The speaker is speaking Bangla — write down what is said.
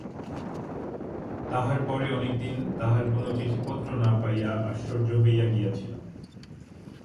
তাহার পরে অনেক দিন তাহার কোনো চিঠিপত্র না পাইয়া আশ্চর্য হইয়া গিয়াছিলাম।